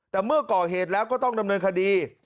แต่เมื่อก่อเหตุแล้วก็ต้องดำเนินคดี